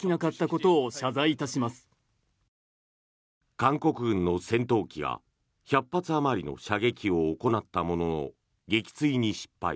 韓国軍の戦闘機が１００発あまりの射撃を行ったものの撃墜に失敗。